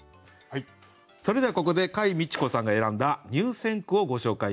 それではここで櫂未知子さんが選んだ入選句をご紹介していきます。